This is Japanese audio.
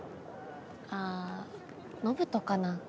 ああ延人かな。